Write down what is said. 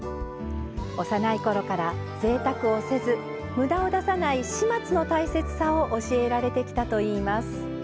幼いころから、ぜいたくをせずむだを出さない始末の大切さを教えられてきたといいます。